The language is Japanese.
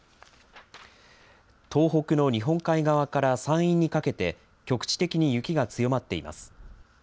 東北の日本海側から山陰にかけて、局地的に雪が強まっています。